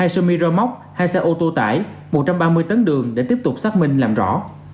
hai xe miramoc hai xe ô tô tải một trăm ba mươi tấn đường để tiếp tục xác minh làm rõ